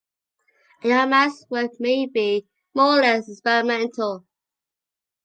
A young man's work may be more or less experimental.